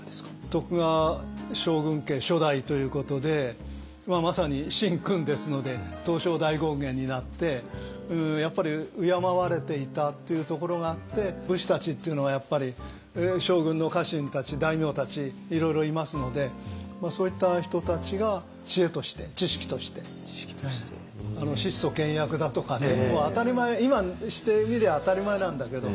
徳川将軍家初代ということでまさに「神君」ですので東照大権現になってやっぱり敬われていたというところがあって武士たちっていうのは将軍の家臣たち大名たちいろいろいますのでそういった人たちが知恵として知識として質素倹約だとかね当たり前今にしてみりゃ当たり前なんだけど。